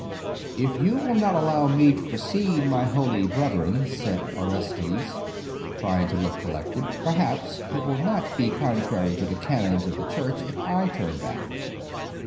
'If you will not allow me to proceed, my holy brethren,' said Orestes, trying to look collected, 'perhaps it will not be contrary to the canons of the Church if I turn back.